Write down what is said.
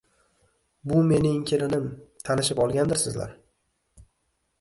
Bu mening kelinim, tanishib olgandirsizlar?